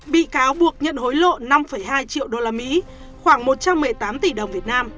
bị cáo buộc nhận hối lộ năm hai triệu đồng